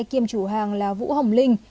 kiêm chủ hàng là vũ hồng linh